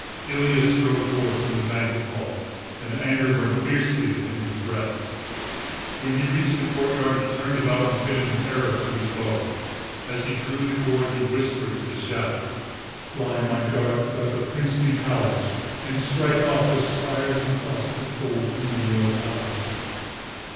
Ilya strode forth from the banquet hall and the anger burned fiercely within his breast. When he reached the courtyard he turned about and fitted an arrow to his bow. As he drew the cord he whispered to the shaft, "Fly, my dart, about the princely towers and strike off the spires and crosses of gold from the royal palace."